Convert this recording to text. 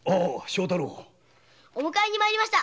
お迎えに参りました。